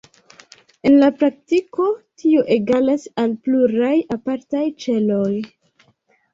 En la praktiko, tio egalas al pluraj apartaj ĉeloj.